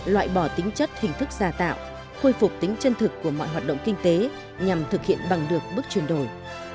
loại bỏ tính chất hình thức già tạo khôi phục tính chân thực của mọi hoạt động kinh tế nhằm thực hiện bằng được bước chuyển đổi